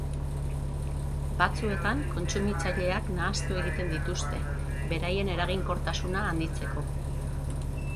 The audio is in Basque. Batzuetan, kontsumitzaileak nahastu egiten dituzte, beraien eraginkortasuna handitzeko.